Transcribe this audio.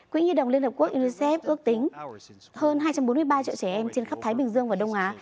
quỹ nhi đồng liên hợp quốc unicef ước tính hơn hai trăm bốn mươi ba triệu trẻ em trên khắp thái bình dương và đông á